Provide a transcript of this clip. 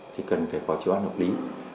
thì cần phải có chế bán hợp lý